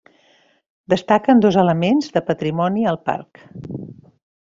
Destaquen dos elements de patrimoni al parc.